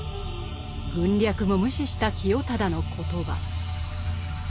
軍略も無視した清忠の言葉。